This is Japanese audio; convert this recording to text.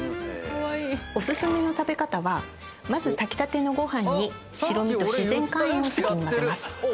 お薦めの食べ方はまず炊きたてのご飯に白身と自然海塩を先に混ぜます。